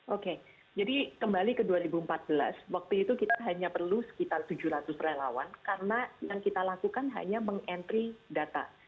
oke jadi kembali ke dua ribu empat belas waktu itu kita hanya perlu sekitar tujuh ratus relawan karena yang kita lakukan hanya meng entry data